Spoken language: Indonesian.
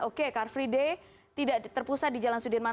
oke car free day tidak terpusat di jalan sudirman